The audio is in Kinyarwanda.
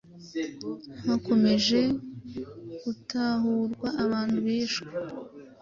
Hakomeje gutahurwa abantu bishwe